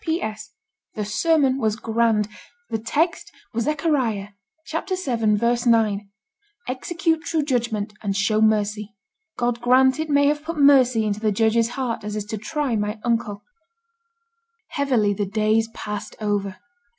'P.S. The sermon was grand. The text was Zechariah vii. 9, "Execute true judgment and show mercy." God grant it may have put mercy into the judge's heart as is to try my uncle.' Heavily the days passed over.